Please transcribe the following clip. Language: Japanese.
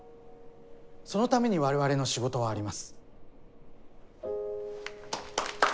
そのために我々の仕事はあります。